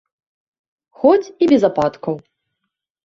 Хоць і без ападкаў.